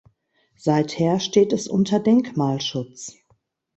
Seither steht es unter Denkmalschutz.